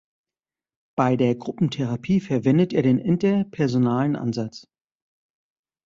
Bei der Gruppentherapie verwendet er den interpersonalen Ansatz.